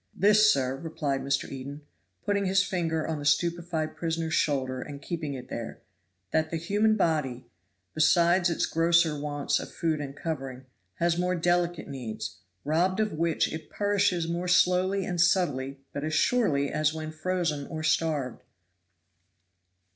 "This, sir," replied Mr. Eden, putting his finger on the stupefied prisoner's shoulder and keeping it there; "that the human body, besides its grosser wants of food and covering, has its more delicate needs, robbed of which it perishes more slowly and subtly but as surely as when frozen or starved.